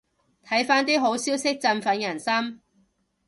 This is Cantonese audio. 睇返啲好消息振奮人心